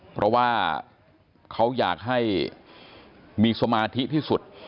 เพราะว่าเขาอยากให้มีสมาธิที่สุด